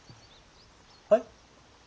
はい？